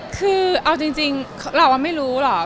คือเอาจริงเราไม่รู้หรอก